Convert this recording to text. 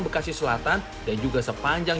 bekasi selatan dan juga sepanjang